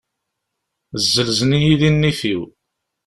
Zzelzen-iyi di nnif-iw.